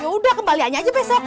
yaudah kembali aja besok